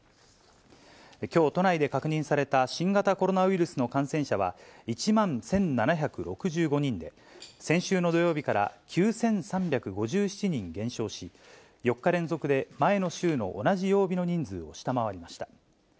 きょう、都内で確認された新型コロナウイルスの感染者は、１万１７６５人で、先週の土曜日から９３５７人減少し、４日連続で前の週の同じ曜日の人数を下回りました。